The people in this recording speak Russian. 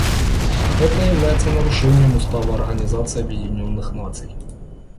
Это является нарушением Устава Организации Объединенных Наций.